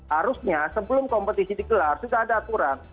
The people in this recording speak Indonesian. harusnya sebelum kompetisi dikelar sudah ada aturan